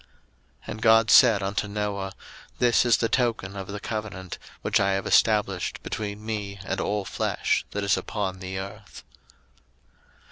01:009:017 And God said unto Noah, This is the token of the covenant, which I have established between me and all flesh that is upon the earth.